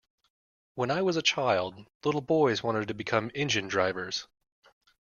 When I was a child, little boys wanted to become engine drivers.